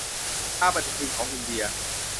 ตามปฏิทินของอินเดีย